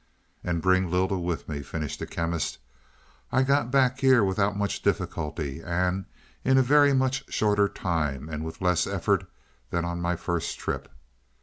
"And bring Lylda with me," finished the Chemist. "I got back here without much difficulty, and in a very much shorter time and with less effort than on my first trip.